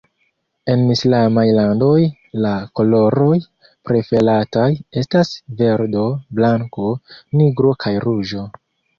En Islamaj landoj la koloroj preferataj estas verdo, blanko, nigro kaj ruĝo.